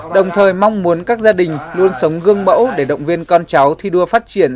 đồng thời mong muốn các gia đình luôn sống gương mẫu để động viên con cháu thi đua phát triển